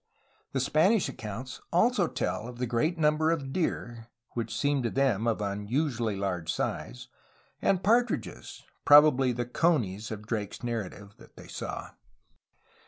The Spanish accounts also tell of the great number of deer (which seemed to them of unusually large size) and partridges (probably the "conies" of Drake's narrative) 118 A HISTORY OF CALIFORNIA that they saw.